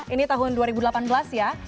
ini tahun dua ribu delapan belas ya